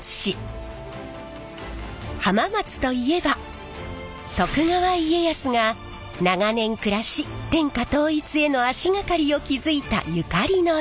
浜松といえば徳川家康が長年暮らし天下統一への足がかりを築いたゆかりの地。